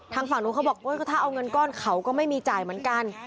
ทางฝั่งนู้นเขาบอกถ้าเอาเงินก้อนเขาก็ไม่มีจ่ายเหมือนกัน